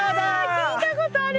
聞いたことある！